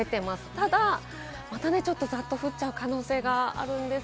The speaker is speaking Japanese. ただまたザッと降っちゃう可能性があるんです。